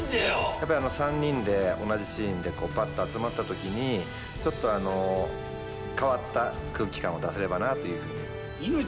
やっぱり３人で同じシーンでパッと集まった時にちょっと変わった空気感を出せればなというふうに。